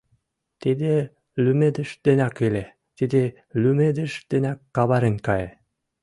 Тиде лӱмедыш денак иле, тиде лӱмедыш денак каварен кае!